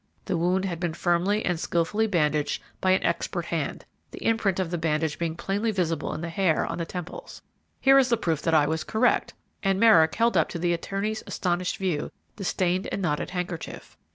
The wound had been firmly and skillfully bandaged by an expert hand, the imprint of the bandage being plainly visible in the hair on the temples. Here is the proof that I was correct," and Merrick held up to the attorney's astonished view the stained and knotted handkerchief.